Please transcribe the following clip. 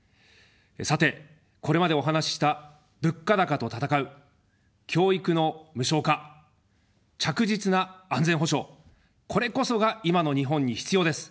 さて、これまでお話しした、物価高と戦う、教育の無償化、着実な安全保障、これこそが今の日本に必要です。